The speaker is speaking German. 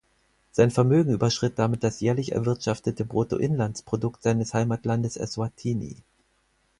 Sein Vermögen überschritt damit das jährlich erwirtschaftete Bruttoinlandsprodukt seines Heimatlandes Eswatini.